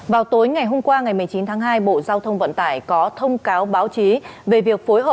vào tối ngày hôm qua ngày một mươi chín tháng hai bộ giao thông vận tải có thông cáo báo chí về việc phối hợp